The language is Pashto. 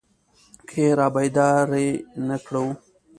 که يې رابيدارې نه کړو.